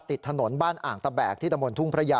ติดถนนบ้านอ่างตะแบกที่ตะมนทุ่งพระยา